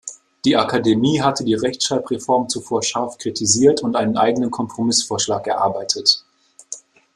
Die Akademie hatte die Rechtschreibreform zuvor scharf kritisiert und einen eigenen Kompromissvorschlag erarbeitet.